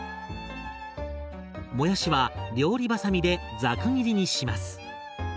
もやしは料理ばさみでザク切りにします。